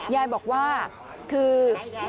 ยายบอกว่าคือ